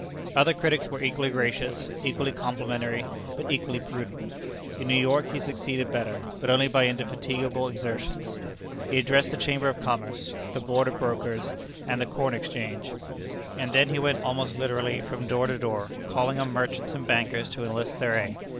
Other cities were equally gracious, equally complimentary, but equally prudent. In New York he succeeded better, but only by indefatigable exertions. He addressed the Chamber of Commerce, the Board of Brokers, and the Corn Exchange, and then he went almost literally from door to door, calling on merchants and bankers to enlist their aid.